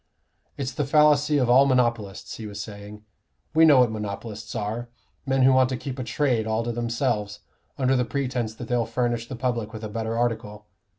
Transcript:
"It's the fallacy of all monopolists," he was saying. "We know what monopolists are: men who want to keep a trade all to themselves, under the pretence that they'll furnish the public with a better article.